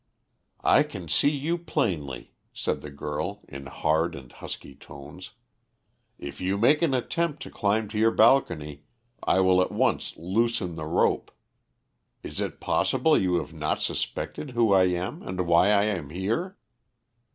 "I can see you plainly," said the girl in hard and husky tones. "If you make an attempt to climb to your balcony, I will at once loosen the rope. Is it possible you have not suspected who I am, and why I am here?"